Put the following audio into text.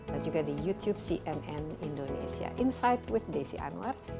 dan juga di youtube cnn indonesia insight with desi anwar